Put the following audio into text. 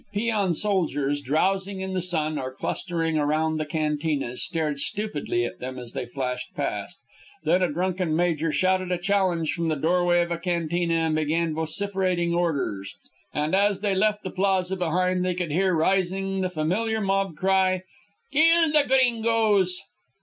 Peon soldiers, drowsing in the sun or clustering around the cantinas, stared stupidly at them as they flashed past. Then a drunken major shouted a challenge from the doorway of a cantina and began vociferating orders, and as they left the plaza behind they could hear rising the familiar mob cry "_Kill the Gringoes!